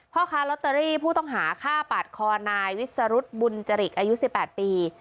พ่อค้าลอตเตอรี่ผู้ต้องหาฆ่าปาดคอนายวิสรุธบุญจริกอายุ๑๘ปี